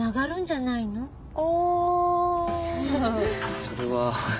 それは。